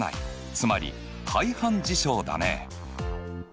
つまり排反事象だね。